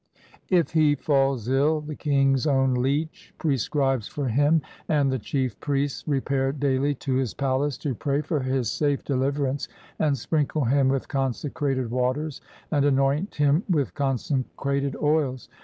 If he falls ill, the king's own leech prescribes for him, and the chief priests repair daily to his palace to pray for his safe deliverance and sprinkle him with consecrated waters and anoint him with consecrated oils.